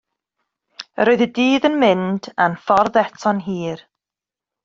Yr oedd y dydd yn mynd, a'n ffordd eto'n hir.